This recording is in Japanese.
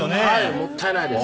もったいないです。